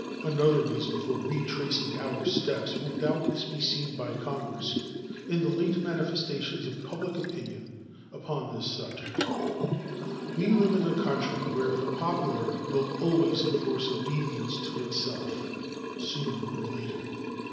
Another reason for retracing our steps will doubtless be seen by Congress in the late manifestations of public opinion upon this subject. We live in a country where the popular will always enforces obedience to itself, sooner or later.